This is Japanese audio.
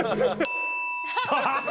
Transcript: ハハハ！